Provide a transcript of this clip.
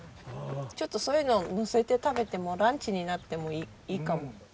ちょっとそういうののせて食べてもランチになってもいいかも。